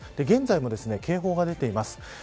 現在も警報が出ています。